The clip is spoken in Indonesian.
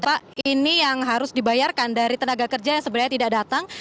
pak ini yang harus dibayarkan dari tenaga kerja yang sebenarnya tidak datang